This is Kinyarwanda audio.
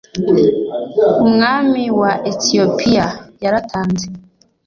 umwami wa Ethiopia yaratanze